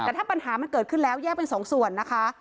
แต่ถ้าปัญหามันเกิดขึ้นแล้วแยกเป็นสองส่วนนะคะ